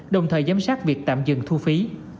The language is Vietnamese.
đồng thời giám sát việc tạm dừng thu phí